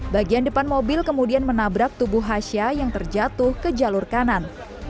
bagian depan mobil kemudian menabrak tubuh hasha yang terjatuh ke jalur kanan